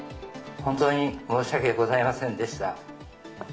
本当に申し訳ございませんでした。